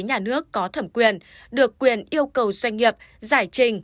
nhà nước có thẩm quyền được quyền yêu cầu doanh nghiệp giải trình